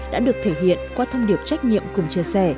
đã được thể hiện qua thông điệp trách nhiệm cùng chia sẻ